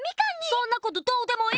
そんなことどうでもいいＹＯ！